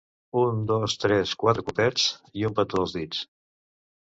Un dos tres quatre copets i un petó als dits.